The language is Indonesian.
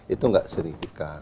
itu enggak sering